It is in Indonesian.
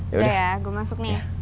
udah ya gue masuk nih